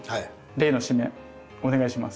例の締めお願いします！